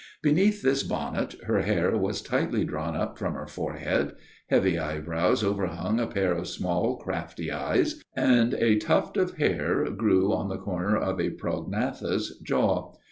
Beneath this bonnet her hair was tightly drawn up from her forehead; heavy eyebrows overhung a pair of small, crafty eyes, and a tuft of hair grew on the corner of a prognathous jaw.